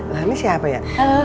nah ini siapa ya